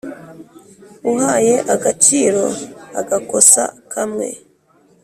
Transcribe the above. uhaye agaciro agakosa kamwe